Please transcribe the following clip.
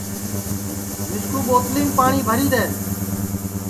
مِسکُو ٻوتلِیم پاٹؔی بھری دؔے